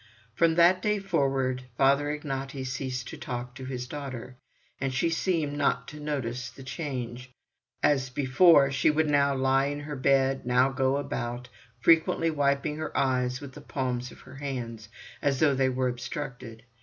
From that day forward Father Ignaty ceased to talk to his daughter, and she seemed not to notice the change. As before, she would now lie in her room, now go about, frequently wiping her eyes with the palms of her hands, as though they were obstructed.